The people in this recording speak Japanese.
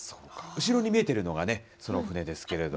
後ろに見えてるのがね、その船ですけれど。